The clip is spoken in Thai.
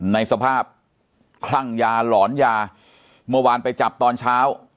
ในสภาพคลั่งยาหลอนยาเมื่อวานไปจับตอนเช้า